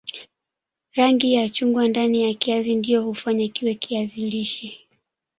rangi ya chungwa ndani ya kiazi ndio hufanya kiwe kiazi lishe